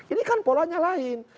ini kan polanya lain